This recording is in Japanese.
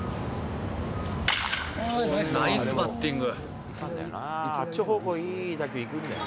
ナイスバッティング。